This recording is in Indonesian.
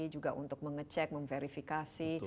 juga untuk mengecek memverifikasi